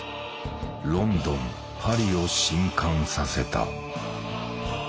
ロンドンパリを震撼させた。